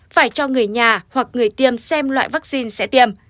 phải cho người nhà hoặc người tiêm xem loại vaccine sẽ tiêm